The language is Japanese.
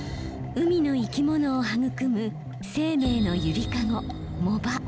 海の生き物を育む生命の揺りかご藻場。